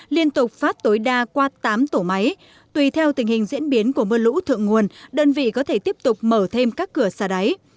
liên tục phát tối đa qua tám tổ máy tùy theo tình hình diễn biến của mưa lũ thượng nguồn đơn vị có thể tiếp tục mở thêm các cửa xa đáy